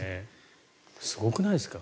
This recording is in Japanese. すごくないですか？